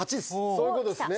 そういうことです